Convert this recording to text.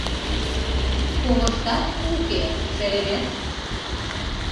Ковыштат уке, шеремет.